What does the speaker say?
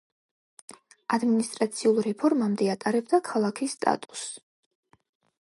ადმინისტრაციულ რეფორმამდე ატარებდა ქალაქის სტატუსს.